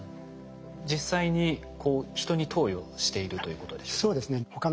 実際に人に投与しているということでしょうか？